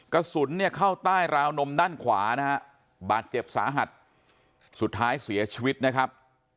กระสุนเนี่ยเข้าใต้ราวนมด้านขวานะฮะบาดเจ็บสาหัสสุดท้ายเสียชีวิตนะครับ